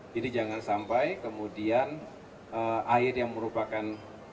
jadi jangan sampai kemudian air yang merupakan